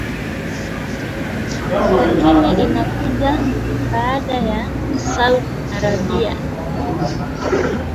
lakini inakuja baada ya Saudi Arabia